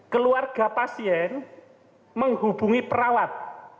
keluarga pasien menghubungi perawat